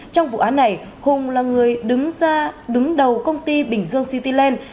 trong vụ án này hùng là người đứng đầu công ty bình dương cityland